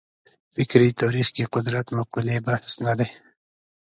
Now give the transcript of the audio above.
فکري تاریخ کې قدرت مقولې بحث نه دی.